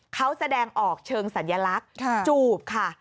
เขาแสดงออกเชิงสัญลักษณ์จูบค่ะ